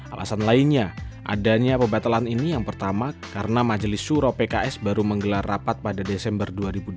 alasan lainnya adanya pembatalan ini yang pertama karena majelis suro pks baru menggelar rapat pada desember dua ribu delapan belas